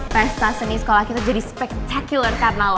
pesta seni sekolah kita jadi spectacular karena lo